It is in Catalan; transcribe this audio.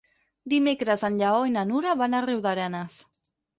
Dimecres en Lleó i na Nura van a Riudarenes.